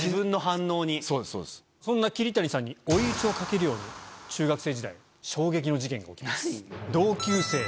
そんな桐谷さんに追い打ちをかけるように中学生時代衝撃の事件が起きます。